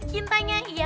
oh ini mah kecil ya